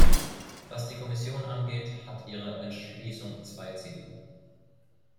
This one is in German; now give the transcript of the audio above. Was die Kommission angeht, hat Ihre Entschließung zwei Ziele.